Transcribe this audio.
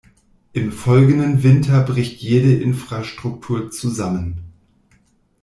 Im folgenden Winter bricht jede Infrastruktur zusammen.